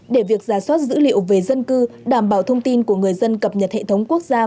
để việc giả soát dữ liệu về dân cư đảm bảo thông tin của người dân cập nhật hệ thống quốc gia